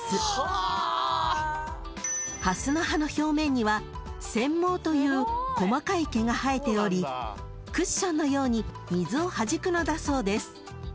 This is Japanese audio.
［ハスの葉の表面にはせん毛という細かい毛が生えておりクッションのように水をはじくのだそうです］